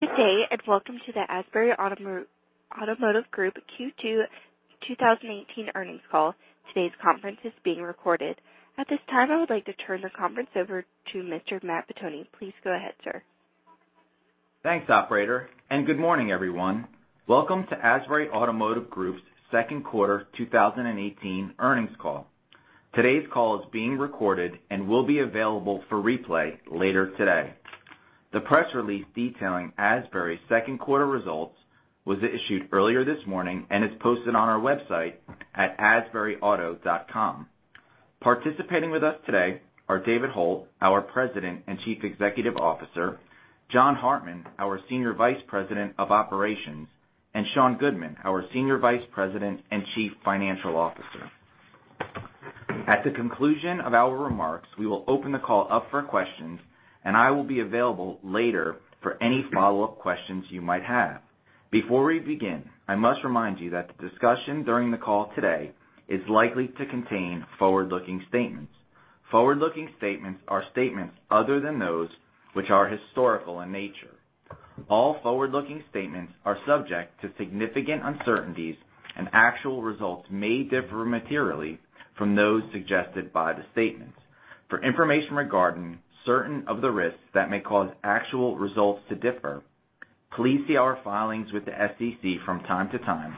Good day, welcome to the Asbury Automotive Group Q2 2018 earnings call. Today's conference is being recorded. At this time, I would like to turn the conference over to Mr. Matt Pettoni. Please go ahead, sir. Thanks, operator, good morning, everyone. Welcome to Asbury Automotive Group's second quarter 2018 earnings call. Today's call is being recorded and will be available for replay later today. The press release detailing Asbury's second quarter results was issued earlier this morning and is posted on our website at asburyauto.com. Participating with us today are David Hult, our President and Chief Executive Officer, John, our Senior Vice President of Operations, Sean, our Senior Vice President and Chief Financial Officer. At the conclusion of our remarks, we will open the call up for questions. I will be available later for any follow-up questions you might have. Before we begin, I must remind you that the discussion during the call today is likely to contain forward-looking statements. Forward-looking statements are statements other than those which are historical in nature. All forward-looking statements are subject to significant uncertainties. Actual results may differ materially from those suggested by the statements. For information regarding certain of the risks that may cause actual results to differ, please see our filings with the SEC from time to time,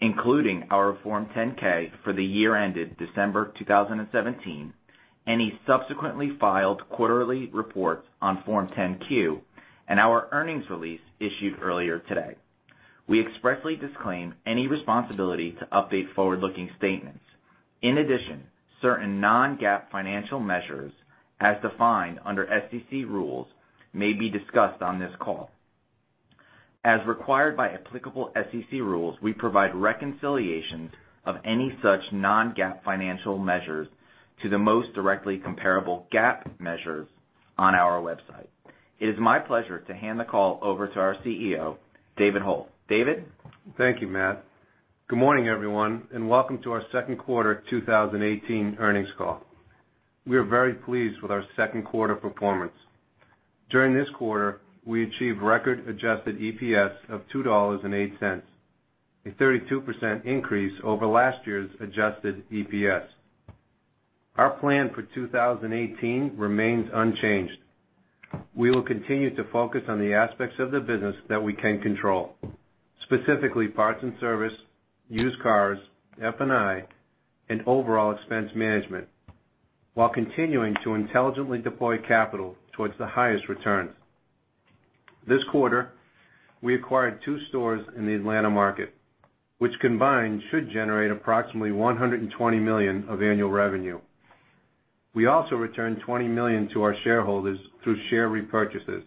including our Form 10-K for the year ended December 2017, any subsequently filed quarterly reports on Form 10-Q, and our earnings release issued earlier today. We expressly disclaim any responsibility to update forward-looking statements. In addition, certain non-GAAP financial measures, as defined under SEC rules, may be discussed on this call. As required by applicable SEC rules, we provide reconciliations of any such non-GAAP financial measures to the most directly comparable GAAP measures on our website. It is my pleasure to hand the call over to our CEO, David Hult. David? Thank you, Matt. Good morning, everyone, welcome to our second quarter 2018 earnings call. We are very pleased with our second quarter performance. During this quarter, we achieved record adjusted EPS of $2.08, a 32% increase over last year's adjusted EPS. Our plan for 2018 remains unchanged. We will continue to focus on the aspects of the business that we can control, specifically parts and service, used cars, F&I, and overall expense management, while continuing to intelligently deploy capital towards the highest returns. This quarter, we acquired two stores in the Atlanta market, which combined should generate approximately $120 million of annual revenue. We also returned $20 million to our shareholders through share repurchases.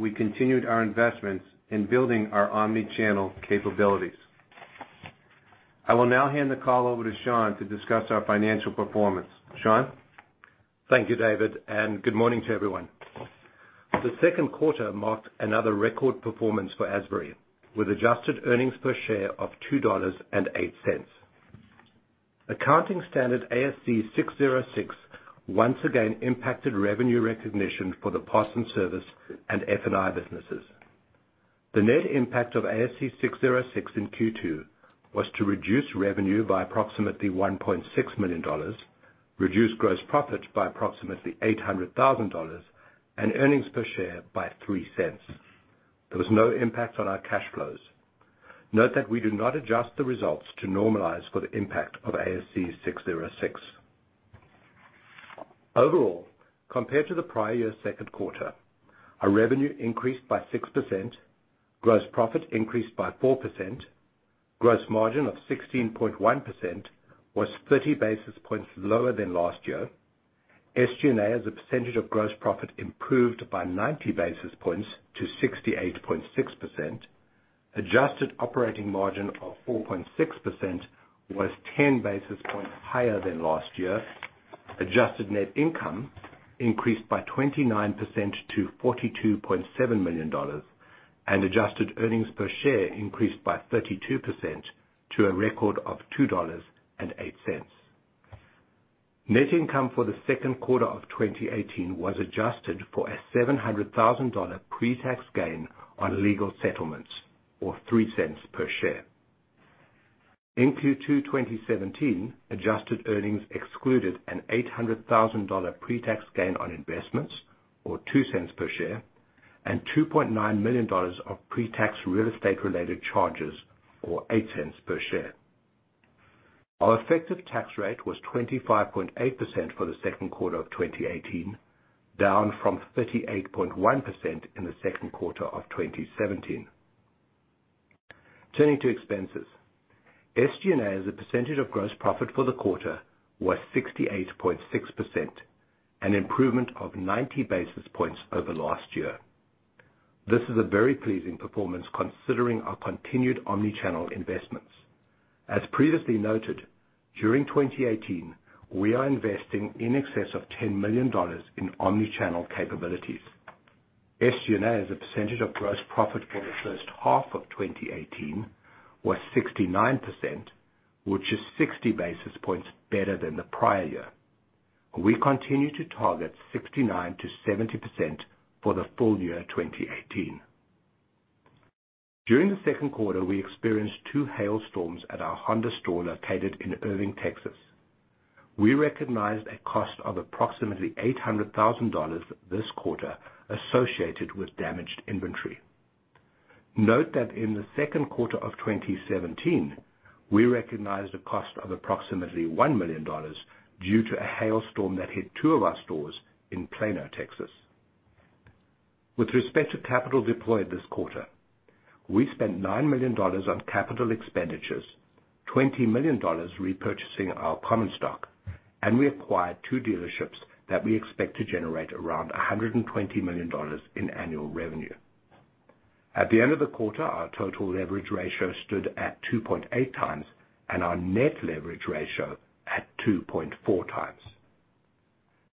We continued our investments in building our omni-channel capabilities. I will now hand the call over to Sean to discuss our financial performance. Sean? Thank you, David, and good morning to everyone. The second quarter marked another record performance for Asbury, with adjusted earnings per share of $2.08. Accounting standard ASC 606 once again impacted revenue recognition for the parts and service and F&I businesses. The net impact of ASC 606 in Q2 was to reduce revenue by approximately $1.6 million, reduce gross profit by approximately $800,000, and earnings per share by $0.03. There was no impact on our cash flows. Note that we do not adjust the results to normalize for the impact of ASC 606. Overall, compared to the prior year's second quarter, our revenue increased by 6%, gross profit increased by 4%, gross margin of 16.1% was 30 basis points lower than last year. SG&A, as a percentage of gross profit, improved by 90 basis points to 68.6%. Adjusted operating margin of 4.6% was 10 basis points higher than last year. Adjusted net income increased by 29% to $42.7 million, and adjusted earnings per share increased by 32% to a record of $2.08. Net income for the second quarter of 2018 was adjusted for a $700,000 pre-tax gain on legal settlements, or $0.03 per share. In Q2 2017, adjusted earnings excluded an $800,000 pre-tax gain on investments, or $0.02 per share, and $2.9 million of pre-tax real estate-related charges, or $0.08 per share. Our effective tax rate was 25.8% for the second quarter of 2018, down from 38.1% in the second quarter of 2017. Turning to expenses. SG&A, as a percentage of gross profit for the quarter, was 68.6%, an improvement of 90 basis points over last year. This is a very pleasing performance considering our continued omni-channel investments. As previously noted, during 2018, we are investing in excess of $10 million in omni-channel capabilities. SG&A, as a percentage of gross profit for the first half of 2018, was 69%, which is 60 basis points better than the prior year. We continue to target 69%-70% for the full year 2018. During the second quarter, we experienced two hailstorms at our Honda store located in Irving, Texas. We recognized a cost of approximately $800,000 this quarter associated with damaged inventory. Note that in the second quarter of 2017, we recognized a cost of approximately $1 million due to a hailstorm that hit two of our stores in Plano, Texas. With respect to capital deployed this quarter, we spent $9 million on capital expenditures, $20 million repurchasing our common stock, and we acquired two dealerships that we expect to generate around $120 million in annual revenue. At the end of the quarter, our total leverage ratio stood at 2.8 times and our net leverage ratio at 2.4 times.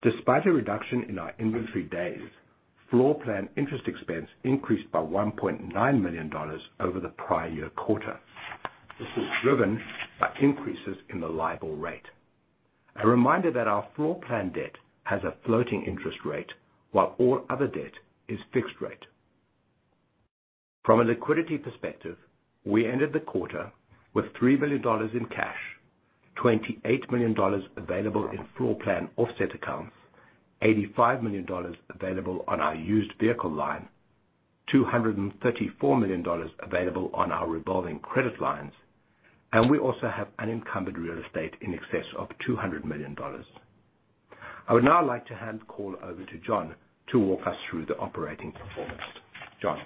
Despite a reduction in our inventory days, floorplan interest expense increased by $1.9 million over the prior year quarter. This was driven by increases in the LIBOR rate. A reminder that our floorplan debt has a floating interest rate, while all other debt is fixed rate. From a liquidity perspective, we ended the quarter with $3 million in cash, $28 million available in floorplan offset accounts, $85 million available on our used vehicle line, $234 million available on our revolving credit lines, and we also have unencumbered real estate in excess of $200 million. I would now like to hand the call over to John to walk us through the operating performance. John?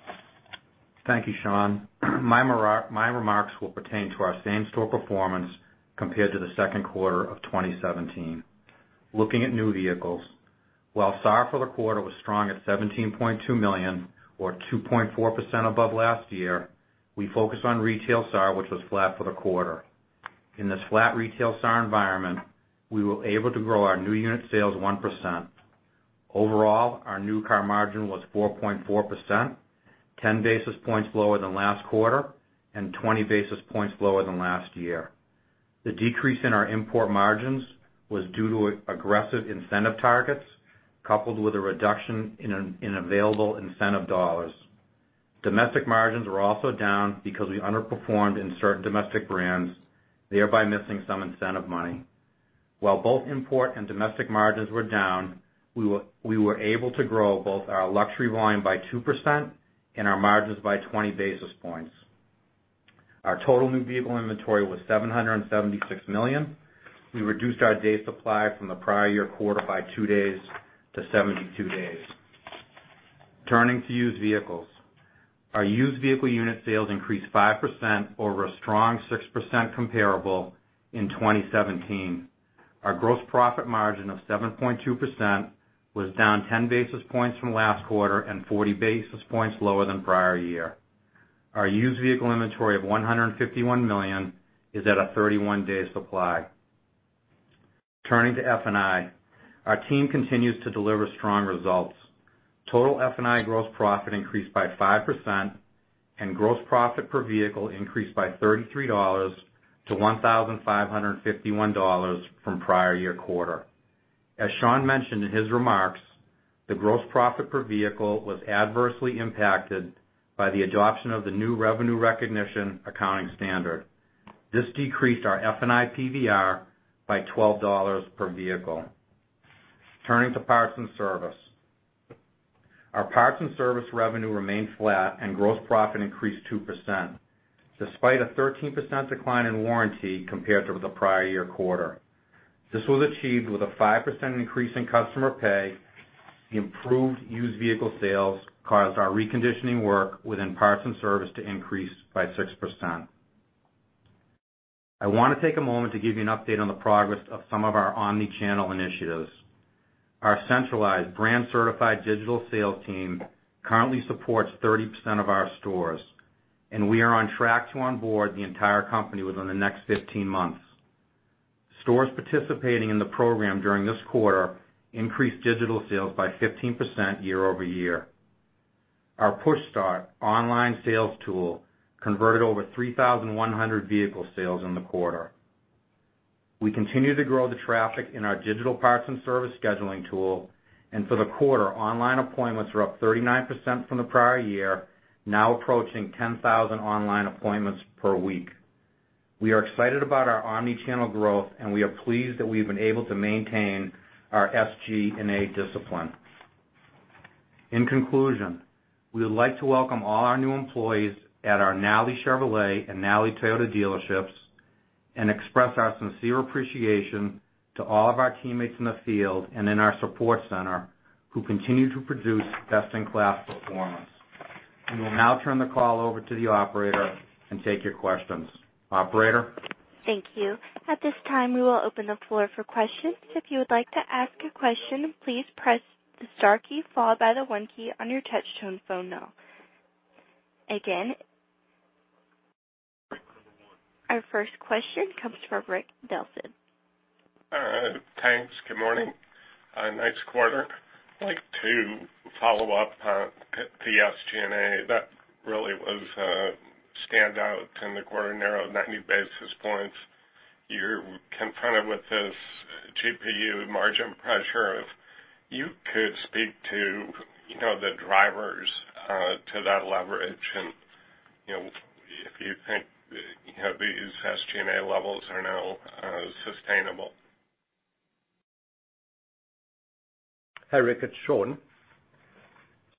Thank you, Sean. My remarks will pertain to our same-store performance compared to the second quarter of 2017. Looking at new vehicles, while SAR for the quarter was strong at 17.2 million or 2.4% above last year, we focused on retail SAR, which was flat for the quarter. In this flat retail SAR environment, we were able to grow our new unit sales 1%. Overall, our new car margin was 4.4%, 10 basis points lower than last quarter and 20 basis points lower than last year. The decrease in our import margins was due to aggressive incentive targets, coupled with a reduction in available incentive dollars. Domestic margins were also down because we underperformed in certain domestic brands, thereby missing some incentive money. While both import and domestic margins were down, we were able to grow both our luxury volume by 2% and our margins by 20 basis points. Our total new vehicle inventory was $776 million. We reduced our day supply from the prior year quarter by two days to 72 days. Turning to used vehicles. Our used vehicle unit sales increased 5% over a strong 6% comparable in 2017. Our gross profit margin of 7.2% was down 10 basis points from last quarter and 40 basis points lower than prior year. Our used vehicle inventory of $151 million is at a 31-day supply. Turning to F&I. Our team continues to deliver strong results. Total F&I gross profit increased by 5%, and gross profit per vehicle increased by $33 to $1,551 from prior year quarter. As Sean mentioned in his remarks, the gross profit per vehicle was adversely impacted by the adoption of the new revenue recognition accounting standard. This decreased our F&I PVR by $12 per vehicle. Turning to parts and service. Our parts and service revenue remained flat and gross profit increased 2%, despite a 13% decline in warranty compared to the prior year quarter. This was achieved with a 5% increase in customer pay. Improved used vehicle sales caused our reconditioning work within parts and service to increase by 6%. I want to take a moment to give you an update on the progress of some of our omni-channel initiatives. Our centralized brand-certified digital sales team currently supports 30% of our stores, and we are on track to onboard the entire company within the next 15 months. Stores participating in the program during this quarter increased digital sales by 15% year-over-year. Our PushStart online sales tool converted over 3,100 vehicle sales in the quarter. We continue to grow the traffic in our digital parts and service scheduling tool. For the quarter, online appointments were up 39% from the prior year, now approaching 10,000 online appointments per week. We are excited about our omni-channel growth. We are pleased that we've been able to maintain our SG&A discipline. In conclusion, we would like to welcome all our new employees at our Nalley Chevrolet and Nalley Toyota dealerships. We express our sincere appreciation to all of our teammates in the field and in our support center who continue to produce best-in-class performance. We will now turn the call over to the operator and take your questions. Operator? Thank you. At this time, we will open the floor for questions. If you would like to ask a question, please press the star key followed by the one key on your touchtone phone now. Again Press number one. Our first question comes from Rick Delson. Thanks. Good morning. Nice quarter. I'd like to follow up on the SG&A. That really was a standout in the quarter, narrow 90 basis points. You're confronted with this GPU margin pressure. If you could speak to the drivers to that leverage and if you think these SG&A levels are now sustainable. Hi, Rick, it's Sean.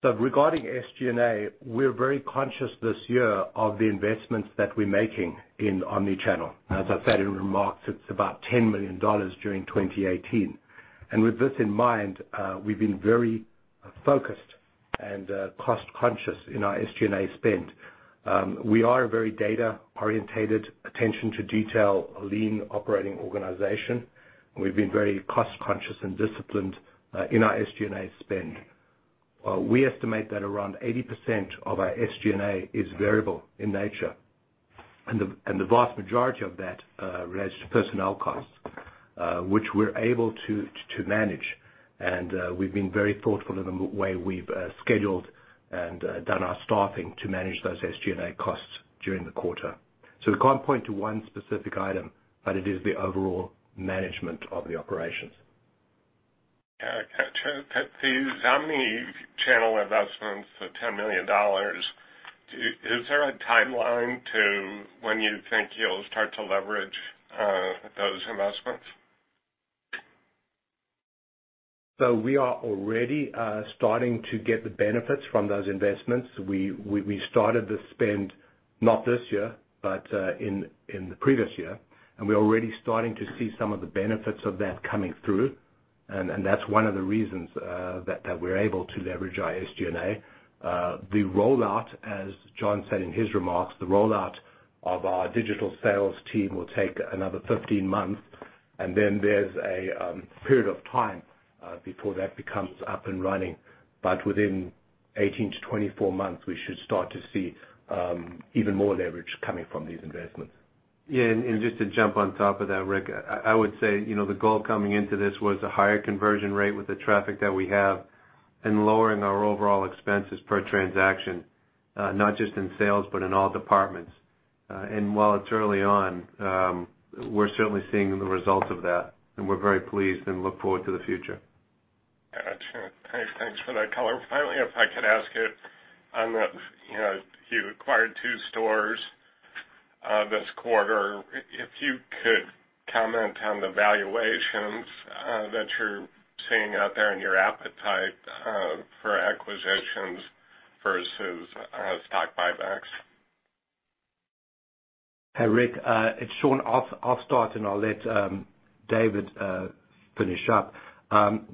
Regarding SG&A, we're very conscious this year of the investments that we're making in omni-channel. As I said in remarks, it's about $10 million during 2018. With this in mind, we've been very focused and cost conscious in our SG&A spend. We are a very data orientated, attention to detail, lean operating organization. We've been very cost conscious and disciplined in our SG&A spend. We estimate that around 80% of our SG&A is variable in nature, and the vast majority of that relates to personnel costs, which we're able to manage. We've been very thoughtful in the way we've scheduled and done our staffing to manage those SG&A costs during the quarter. We can't point to one specific item, but it is the overall management of the operations. Got you. These omni-channel investments, the $10 million, is there a timeline to when you think you'll start to leverage those investments? We are already starting to get the benefits from those investments. We started the spend, not this year, but in the previous year, and we're already starting to see some of the benefits of that coming through. That's one of the reasons that we're able to leverage our SG&A. The rollout, as John said in his remarks, the rollout of our digital sales team will take another 15 months, and then there's a period of time before that becomes up and running. Within 18 to 24 months, we should start to see even more leverage coming from these investments. Just to jump on top of that, Rick, I would say, the goal coming into this was a higher conversion rate with the traffic that we have and lowering our overall expenses per transaction, not just in sales, but in all departments. While it's early on, we're certainly seeing the results of that, and we're very pleased and look forward to the future. Got you. Thanks for that color. Finally, if I could ask you acquired two stores this quarter. If you could comment on the valuations that you're seeing out there and your appetite for acquisitions versus stock buybacks. Hey, Rick, it's Sean. I'll start, and I'll let David finish up.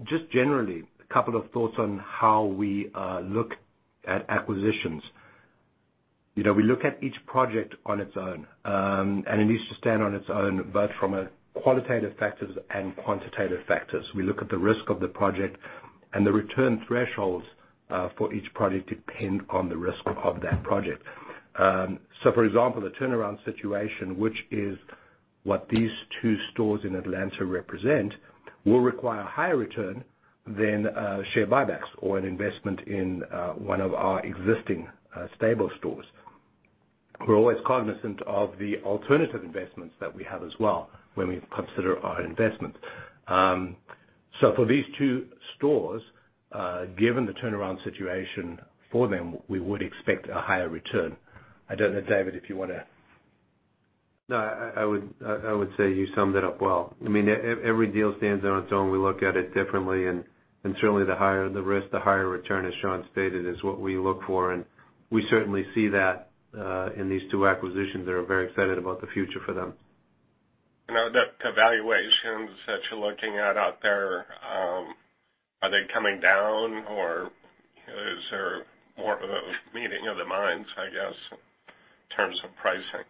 Just generally, a couple of thoughts on how we look at acquisitions. We look at each project on its own, and it needs to stand on its own, but from a qualitative factors and quantitative factors. We look at the risk of the project, and the return thresholds for each project depend on the risk of that project. For example, the turnaround situation, which is what these two stores in Atlanta represent, will require a higher return than share buybacks or an investment in one of our existing stable stores. We're always cognizant of the alternative investments that we have as well when we consider our investments. For these two stores, given the turnaround situation for them, we would expect a higher return. I don't know, David, if you want to. No, I would say you summed it up well. Every deal stands on its own. We look at it differently, and certainly the higher the risk, the higher return, as Sean stated, is what we look for, and we certainly see that in these two acquisitions that are very excited about the future for them. The valuations that you're looking at out there, are they coming down or is there more of a meeting of the minds, I guess, in terms of pricing?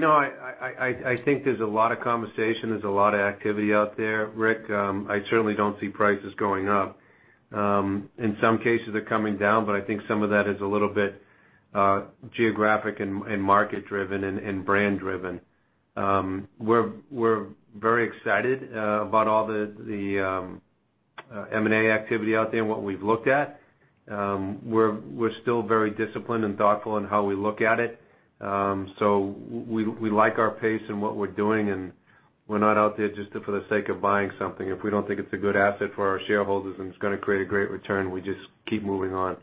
I think there's a lot of conversation. There's a lot of activity out there, Rick. I certainly don't see prices going up. In some cases they're coming down, I think some of that is a little bit geographic and market driven and brand driven. We're very excited about all the M&A activity out there and what we've looked at. We're still very disciplined and thoughtful in how we look at it. We like our pace and what we're doing, and we're not out there just for the sake of buying something. If we don't think it's a good asset for our shareholders and it's going to create a great return, we just keep moving on.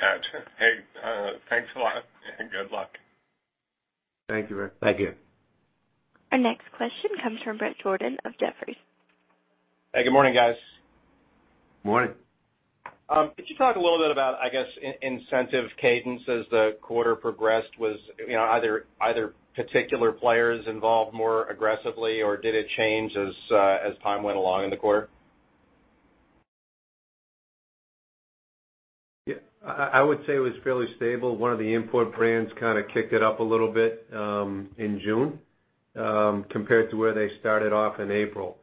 Got you. Hey, thanks a lot and good luck. Thank you, Rick. Thank you. Our next question comes from Bret Jordan of Jefferies. Hey, good morning, guys. Morning. Could you talk a little bit about, I guess, incentive cadence as the quarter progressed? Was either particular players involved more aggressively or did it change as time went along in the quarter? I would say it was fairly stable. One of the import brands kind of kicked it up a little bit in June compared to where they started off in April.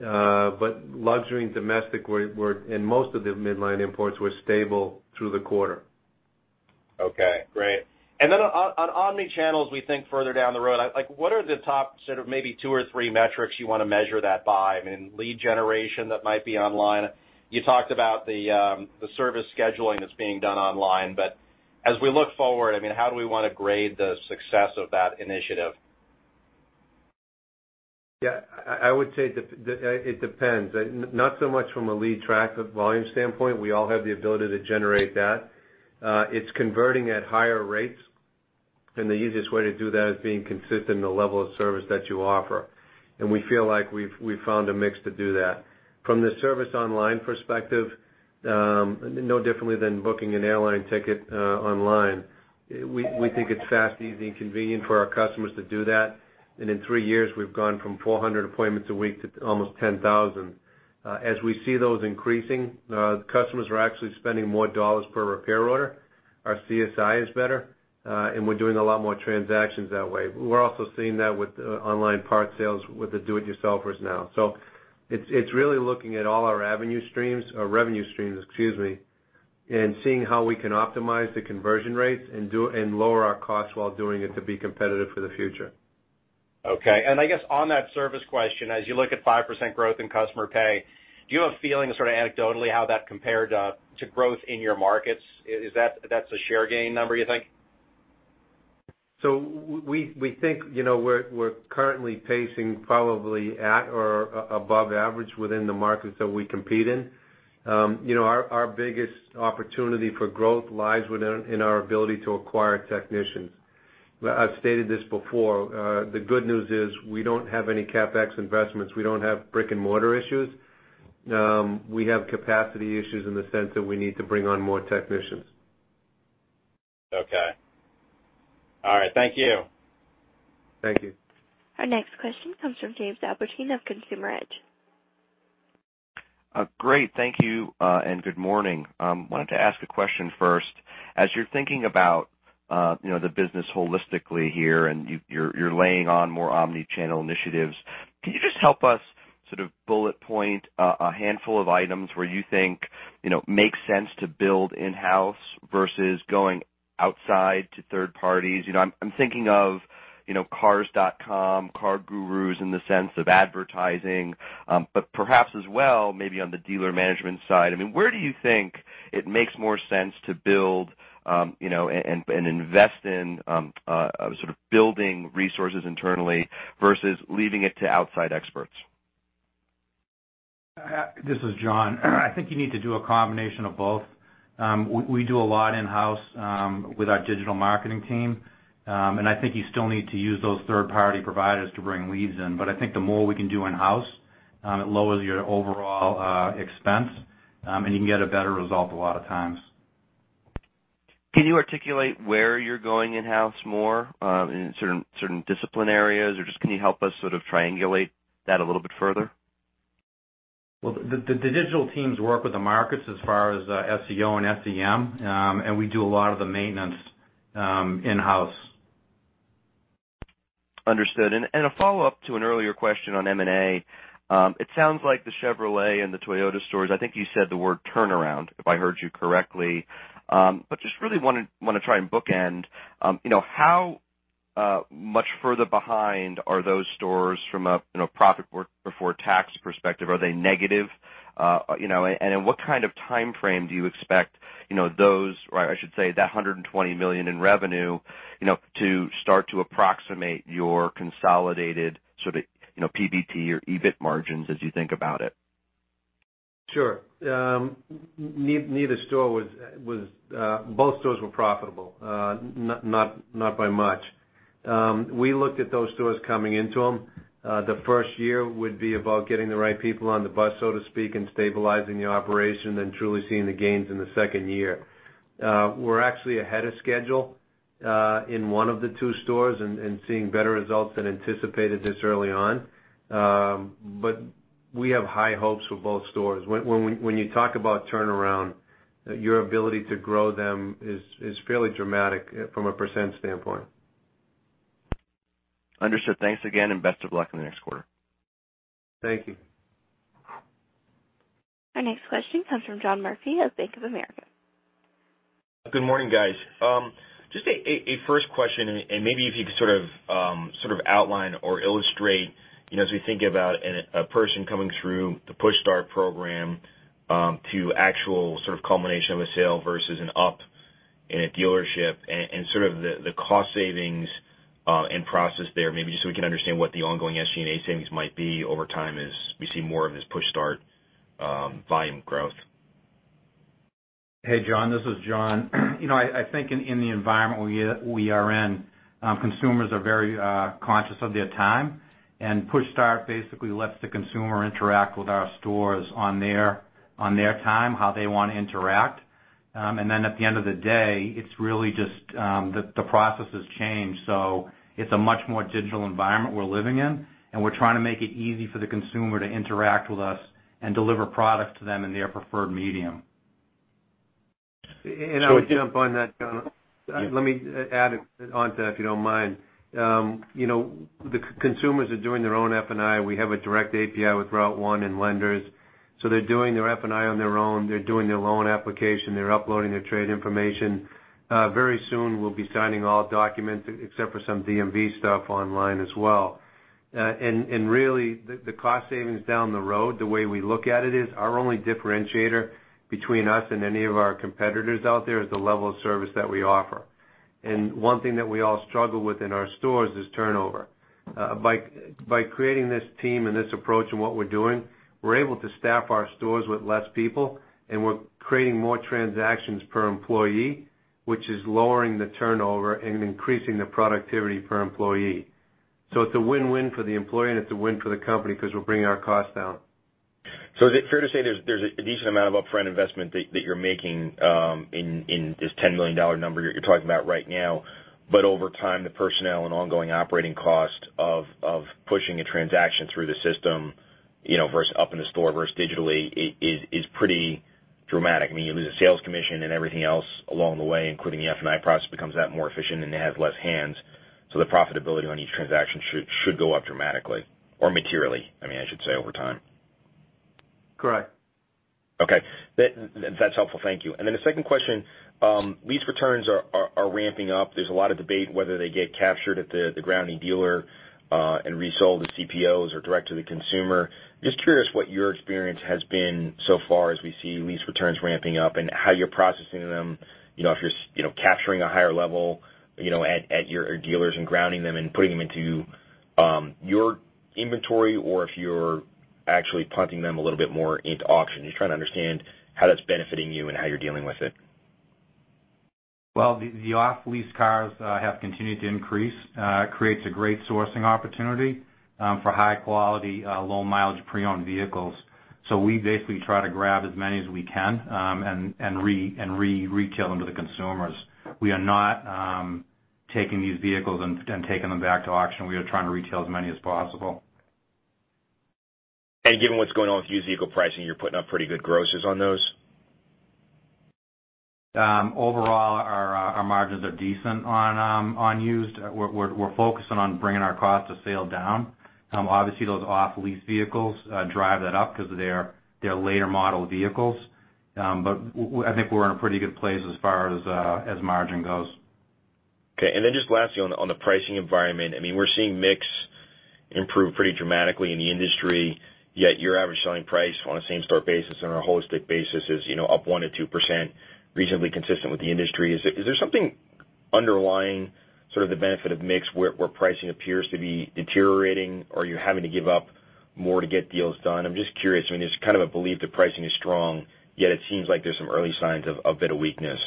Luxury and domestic were, and most of the midline imports were stable through the quarter. Okay. Great. Then on omni channels, we think further down the road, what are the top sort of maybe two or three metrics you want to measure that by? I mean, lead generation that might be online. You talked about the service scheduling that's being done online. As we look forward, how do we want to grade the success of that initiative? I would say it depends. Not so much from a lead track volume standpoint. We all have the ability to generate that. It's converting at higher rates, and the easiest way to do that is being consistent in the level of service that you offer. We feel like we've found a mix to do that. From the service online perspective, no differently than booking an airline ticket online, we think it's fast, easy, and convenient for our customers to do that. In three years, we've gone from 400 appointments a week to almost 10,000. As we see those increasing, customers are actually spending more dollars per repair order. Our CSI is better, and we're doing a lot more transactions that way. We're also seeing that with online parts sales with the do-it-yourselfers now. It's really looking at all our revenue streams and seeing how we can optimize the conversion rates and lower our costs while doing it to be competitive for the future. Okay. I guess on that service question, as you look at 5% growth in customer pay, do you have a feeling sort of anecdotally how that compared to growth in your markets? Is that a share gain number, you think? We think we're currently pacing probably at or above average within the markets that we compete in. Our biggest opportunity for growth lies within our ability to acquire technicians. I've stated this before. The good news is we don't have any CapEx investments. We don't have brick and mortar issues. We have capacity issues in the sense that we need to bring on more technicians. Okay. All right. Thank you. Thank you. Our next question comes from Jamie Albertine of Consumer Edge. Great. Thank you. Good morning. Wanted to ask a question first. As you're thinking about the business holistically here, and you're laying on more omni-channel initiatives, can you just help us sort of bullet point a handful of items where you think makes sense to build in-house versus going outside to third parties? I'm thinking of Cars.com, CarGurus in the sense of advertising, but perhaps as well, maybe on the dealer management side. Where do you think it makes more sense to build and invest in sort of building resources internally versus leaving it to outside experts? This is John. I think you need to do a combination of both. We do a lot in-house with our digital marketing team. I think you still need to use those third-party providers to bring leads in. I think the more we can do in-house, it lowers your overall expense, and you can get a better result a lot of times. Can you articulate where you're going in-house more in certain discipline areas, or just can you help us sort of triangulate that a little bit further? Well, the digital teams work with the markets as far as SEO and SEM. We do a lot of the maintenance in-house. Understood. A follow-up to an earlier question on M&A. It sounds like the Chevrolet and the Toyota stores, I think you said the word turnaround, if I heard you correctly. Just really want to try and bookend. How much further behind are those stores from a profit before tax perspective? Are they negative? In what kind of timeframe do you expect those, or I should say that $120 million in revenue, to start to approximate your consolidated sort of PBT or EBIT margins as you think about it? Sure. Both stores were profitable. Not by much. We looked at those stores coming into them. The first year would be about getting the right people on the bus, so to speak, and stabilizing the operation, then truly seeing the gains in the second year. We're actually ahead of schedule in one of the two stores and seeing better results than anticipated this early on. We have high hopes for both stores. When you talk about turnaround, your ability to grow them is fairly dramatic from a % standpoint. Understood. Thanks again. Best of luck in the next quarter. Thank you. Our next question comes from John Murphy of Bank of America. Good morning, guys. Just a first question, and maybe if you could sort of outline or illustrate as we think about a person coming through the PushStart program to actual sort of culmination of a sale versus an up in a dealership and sort of the cost savings and process there, maybe just so we can understand what the ongoing SG&A savings might be over time as we see more of this PushStart volume growth. Hey, John, this is John. I think in the environment we are in, consumers are very conscious of their time, and PushStart basically lets the consumer interact with our stores on their time, how they want to interact. At the end of the day, it's really just the process has changed. It's a much more digital environment we're living in, and we're trying to make it easy for the consumer to interact with us and deliver product to them in their preferred medium. I would jump on that, John. Let me add onto that, if you don't mind. The consumers are doing their own F&I. We have a direct API with RouteOne and lenders. They're doing their F&I on their own. They're doing their loan application. They're uploading their trade information. Very soon we'll be signing all documents except for some DMV stuff online as well. Really, the cost savings down the road, the way we look at it is our only differentiator between us and any of our competitors out there is the level of service that we offer. One thing that we all struggle with in our stores is turnover. By creating this team and this approach in what we're doing, we're able to staff our stores with less people, and we're creating more transactions per employee, which is lowering the turnover and increasing the productivity per employee. It's a win-win for the employee, and it's a win for the company because we're bringing our costs down. Is it fair to say there's a decent amount of upfront investment that you're making in this $10 million number you're talking about right now, but over time, the personnel and ongoing operating cost of pushing a transaction through the system, versus up in the store versus digitally, is pretty dramatic? You lose a sales commission and everything else along the way, including the F&I process becomes that more efficient, and it has less hands. The profitability on each transaction should go up dramatically or materially, I should say, over time. Correct. Okay. That's helpful. Thank you. Then the second question, lease returns are ramping up. There's a lot of debate whether they get captured at the grounding dealer and resold to CPOs or direct to the consumer. Just curious what your experience has been so far as we see lease returns ramping up and how you're processing them. If you're capturing a higher level at your dealers and grounding them and putting them into your inventory, or if you're actually punting them a little bit more into auction. Just trying to understand how that's benefiting you and how you're dealing with it. Well, the off-lease cars have continued to increase. It creates a great sourcing opportunity for high-quality, low-mileage pre-owned vehicles. We basically try to grab as many as we can and re-retail them to the consumers. We are not taking these vehicles and taking them back to auction. We are trying to retail as many as possible. Given what's going on with used vehicle pricing, you're putting up pretty good grosses on those? Overall, our margins are decent on used. We're focusing on bringing our cost of sale down. Obviously, those off-lease vehicles drive that up because they're later-model vehicles. I think we're in a pretty good place as far as margin goes. Okay. Just lastly, on the pricing environment. We're seeing mix improve pretty dramatically in the industry, yet your average selling price on a same-store basis and a holistic basis is up 1%-2%, reasonably consistent with the industry. Is there something underlying sort of the benefit of mix where pricing appears to be deteriorating or you're having to give up more to get deals done? I'm just curious. There's kind of a belief that pricing is strong, yet it seems like there's some early signs of a bit of weakness.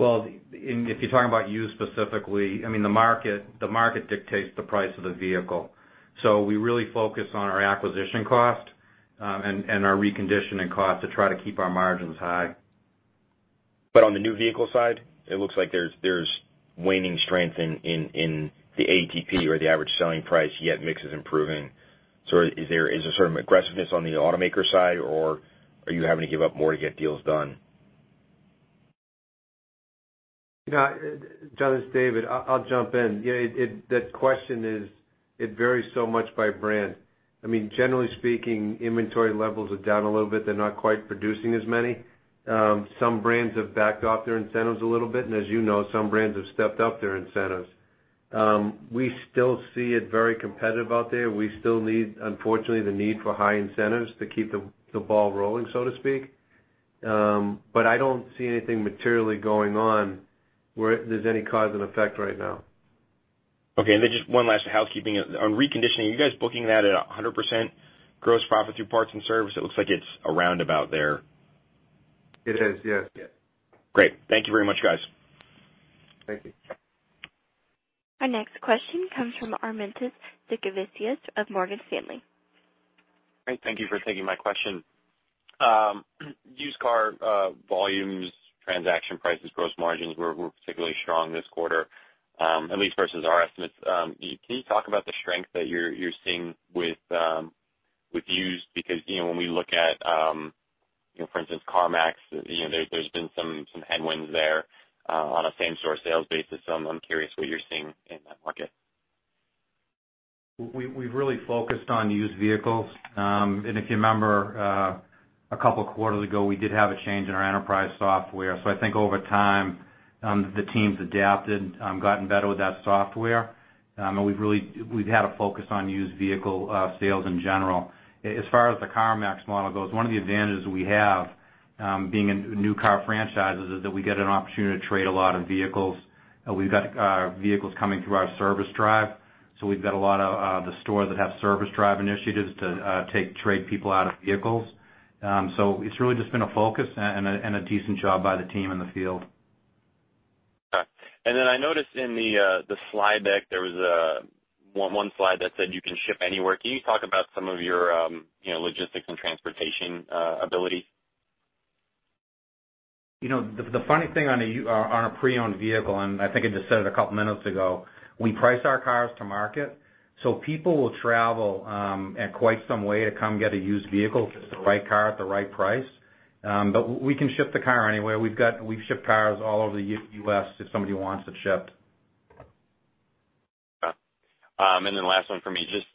If you're talking about used specifically, the market dictates the price of the vehicle. We really focus on our acquisition cost and our reconditioning cost to try to keep our margins high. On the new vehicle side, it looks like there's waning strength in the ATP or the average selling price, yet mix is improving. Is there a sort of aggressiveness on the automaker side, or are you having to give up more to get deals done? John, it's David. I'll jump in. That question varies so much by brand. Generally speaking, inventory levels are down a little bit. They're not quite producing as many. Some brands have backed off their incentives a little bit, and as you know, some brands have stepped up their incentives. We still see it very competitive out there. We still need, unfortunately, the need for high incentives to keep the ball rolling, so to speak. I don't see anything materially going on where there's any cause and effect right now. Just one last housekeeping. On reconditioning, are you guys booking that at 100% gross profit through parts and service? It looks like it's around about there. It is, yes. Great. Thank you very much, guys. Thank you. Our next question comes from Armintas Sinkevicius of Morgan Stanley. Great. Thank you for taking my question. Used car volumes, transaction prices, gross margins were particularly strong this quarter, at least versus our estimates. Can you talk about the strength that you're seeing with used? When we look at, for instance, CarMax, there's been some headwinds there on a same-store sales basis. I'm curious what you're seeing in that market. We've really focused on used vehicles. If you remember, a couple of quarters ago, we did have a change in our enterprise software. I think over time, the team's adapted, gotten better with that software. We've had a focus on used vehicle sales in general. As far as the CarMax model goes, one of the advantages we have, being in new car franchises, is that we get an opportunity to trade a lot of vehicles. We've got vehicles coming through our service drive. We've got a lot of the stores that have service drive initiatives to take trade people out of vehicles. It's really just been a focus and a decent job by the team in the field. Got it. I noticed in the slide deck, there was one slide that said you can ship anywhere. Can you talk about some of your logistics and transportation ability? The funny thing on a pre-owned vehicle, I think I just said it a couple of minutes ago, we price our cars to market. People will travel quite some way to come get a used vehicle if it's the right car at the right price. We can ship the car anywhere. We've shipped cars all over the U.S. if somebody wants it shipped. Got it. Last one for me. Just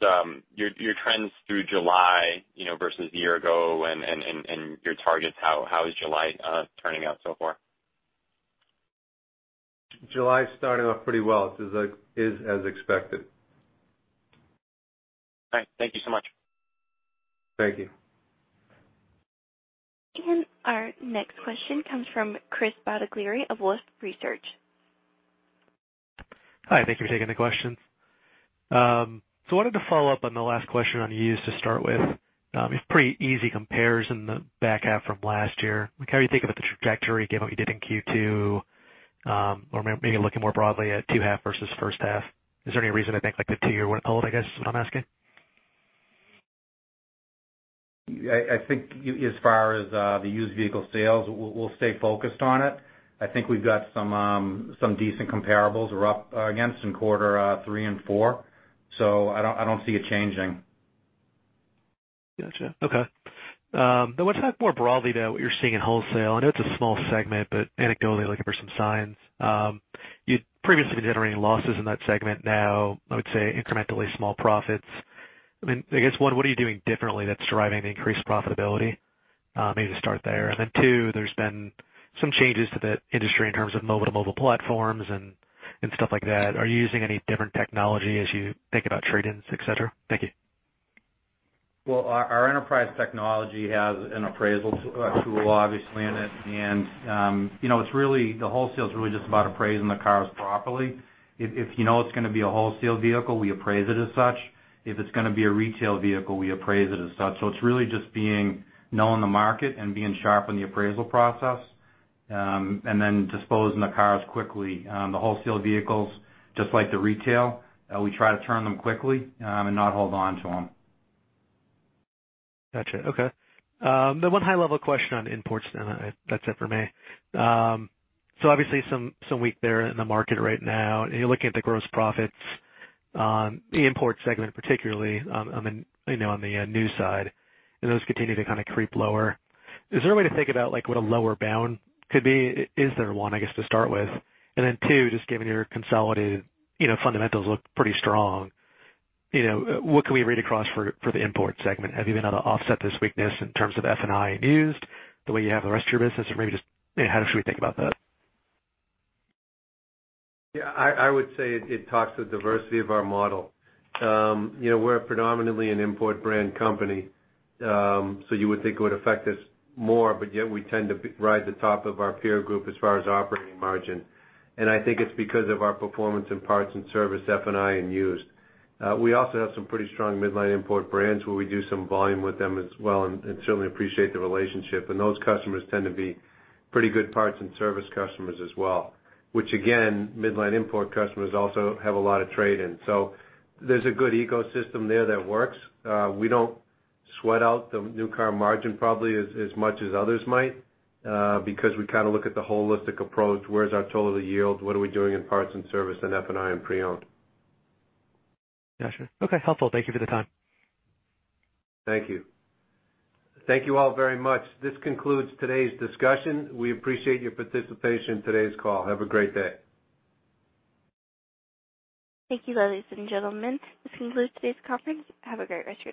your trends through July, versus a year ago and your targets. How is July turning out so far? July is starting off pretty well. It is as expected. Thank you so much. Thank you. Our next question comes from Chris Bottiglieri of Wolfe Research. Hi, thank you for taking the questions. Wanted to follow up on the last question on used to start with. It's pretty easy compares in the back half from last year. How are you thinking about the trajectory, given what you did in Q2, or maybe looking more broadly at second half versus first half. Is there any reason to think the 2-year hold, I guess, is what I'm asking? I think as far as the used vehicle sales, we'll stay focused on it. I think we've got some decent comparables we're up against in quarter 3 and 4, I don't see it changing. Got you. Okay. I want to talk more broadly, though, what you're seeing in wholesale. I know it's a small segment, but anecdotally, looking for some signs. You'd previously been generating losses in that segment. Now, I would say incrementally small profits. I guess, one, what are you doing differently that's driving the increased profitability? Maybe just start there. Then two, there's been some changes to the industry in terms of mobile-to-mobile platforms and stuff like that. Are you using any different technology as you think about trade-ins, et cetera? Thank you. Well, our enterprise technology has an appraisal tool, obviously, in it, and the wholesale's really just about appraising the cars properly. If you know it's going to be a wholesale vehicle, we appraise it as such. If it's going to be a retail vehicle, we appraise it as such. It's really just knowing the market and being sharp in the appraisal process, and then disposing the cars quickly. The wholesale vehicles, just like the retail, we try to turn them quickly and not hold on to them. Got you. Okay. One high-level question on imports, then that's it for me. Obviously some weak there in the market right now, and you're looking at the gross profits on the import segment particularly on the new side, and those continue to kind of creep lower. Is there a way to think about what a lower bound could be? Is there one, I guess, to start with? And then two, just given your consolidated fundamentals look pretty strong, what can we read across for the import segment? Have you been able to offset this weakness in terms of F&I and used the way you have the rest of your business? Or maybe just how should we think about that? Yeah, I would say it talks to the diversity of our model. We're predominantly an import brand company, so you would think it would affect us more, but yet we tend to ride the top of our peer group as far as operating margin, and I think it's because of our performance in parts and service, F&I, and used. We also have some pretty strong mid-line import brands where we do some volume with them as well, and certainly appreciate the relationship. Those customers tend to be pretty good parts and service customers as well, which again, mid-line import customers also have a lot of trade-ins. There's a good ecosystem there that works. We don't sweat out the new car margin probably as much as others might, because we kind of look at the holistic approach. Where's our total of the yield? What are we doing in parts and service and F&I and pre-owned? Got you. Okay, helpful. Thank you for the time. Thank you. Thank you all very much. This concludes today's discussion. We appreciate your participation in today's call. Have a great day. Thank you, ladies and gentlemen. This concludes today's conference. Have a great rest of your day.